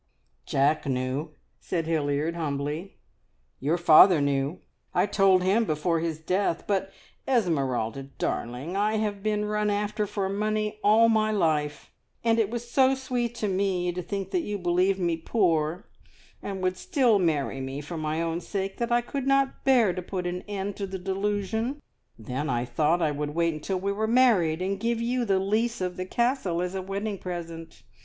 "Jack knew," said Hilliard humbly. "Your father knew. I told him before his death. But, Esmeralda darling, I have been run after for my money all my life, and it was so sweet to me to think that you believed me poor, and would still marry me for my own sake, that I could not bear to put an end to the delusion. Then I thought I would wait until we were married, and give you the lease of the Castle as a wedding present.